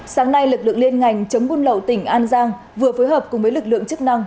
sáng nay lực lượng liên ngành chống buôn lậu tỉnh an giang vừa phối hợp cùng với lực lượng chức năng